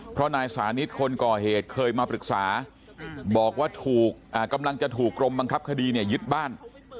เพราะนายสานิทคนก่อเหตุเคยมาปรึกษาบอกว่าถูกกำลังจะถูกกรมบังคับคดีเนี่ยยึดบ้าน